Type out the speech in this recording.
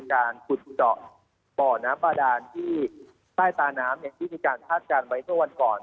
การขุดเจาะบ่อน้ำบาดานที่ใต้ตาน้ำที่มีการคาดการณ์ไว้เมื่อวันก่อน